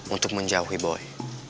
untuk menjauhi boy